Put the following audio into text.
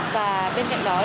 và bên cạnh đó